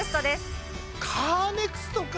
カーネクストか！